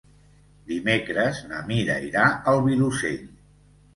Dimecres na Mira irà al Vilosell.